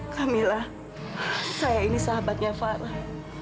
kamilah saya ini sahabatnya farah